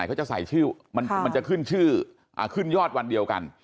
เขาจะใส่ชื่อมันจะขึ้นชื่อขึ้นยอดวันเดียวกัน